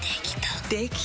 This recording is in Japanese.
できた！